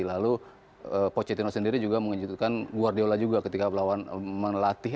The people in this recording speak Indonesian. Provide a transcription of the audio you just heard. lalu pochettino sendiri juga mengejutkan guardiola juga ketika melatih